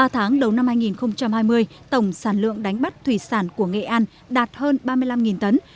ba tháng đầu năm hai nghìn hai mươi tổng sản lượng đánh bắt thủy sản của nghệ an đạt hơn ba mươi năm tấn